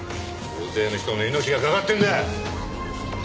大勢の人の命がかかってんだ。